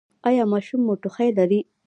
ایا ماشوم مو ټوخی لري؟